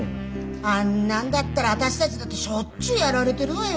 あんなんだったら私たちだってしょっちゅうやられてるわよ。